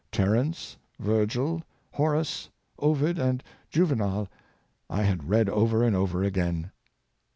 Terence, Virgil, Horace, Ovid, and Juvenal I had read over and over again."